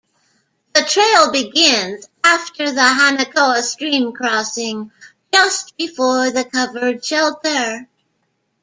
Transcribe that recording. The trail begins after the Hanakoa stream crossing, just before the covered shelter.